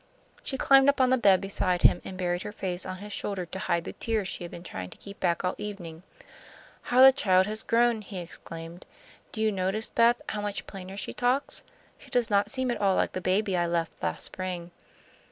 She climbed up on the bed beside him, and buried her face on his shoulder to hide the tears she had been trying to keep back all evening. "How the child has grown!" he exclaimed. "Do you notice, Beth, how much plainer she talks? She does not seem at all like the baby I left last spring.